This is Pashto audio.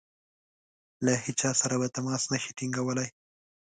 له هیچا سره به تماس نه شي ټینګولای.